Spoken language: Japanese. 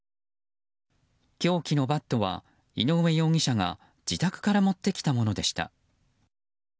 凶器のバットは井上容疑者が自宅から持ってきたものでした。